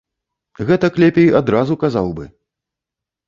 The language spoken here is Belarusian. Гэтак лепей адразу казаў бы!